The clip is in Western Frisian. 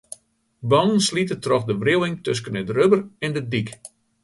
Bannen slite troch de wriuwing tusken it rubber en de dyk.